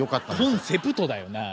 コンセプトだよなあ。